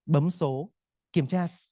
bấm số kiểm tra